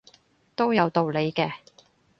都有道理嘅